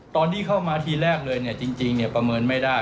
ตอนที่เข้ามาทีแรกเลยจริงประเมินไม่ได้